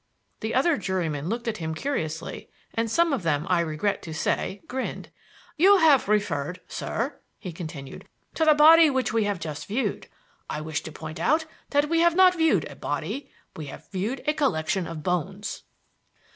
The other jurymen looked at him curiously and some of them, I regret to say, grinned. "You have referred, sir," he continued, "to the body which we have just viewed. I wish to point out that we have not viewed a body; we have viewed a collection of bones."